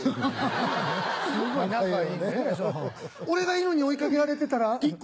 俺が犬に追い掛けられてたら？